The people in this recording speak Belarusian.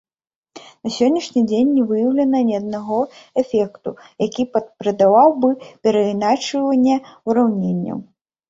На сённяшні дзень не выяўлена ні аднаго эфекту, які патрабаваў бы перайначвання ўраўненняў.